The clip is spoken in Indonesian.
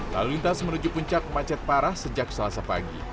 lalu lintas menuju puncak macet parah sejak selasa pagi